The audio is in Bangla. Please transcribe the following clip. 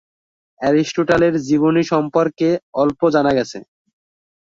এরিস্টটলের জীবনী সম্পর্কে অল্পই জানা গেছে।